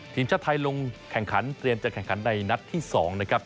ทีมชาติไทยลงแข่งขันเตรียมจะแข่งขันในนัดที่๒นะครับ